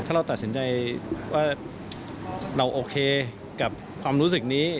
ถ้าเราตัดสินใจว่าเราโอเคกับความรู้สึกนี้